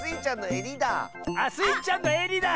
あっスイちゃんのえりだ。